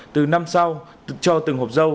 từ năm sau cho từng hộp dâu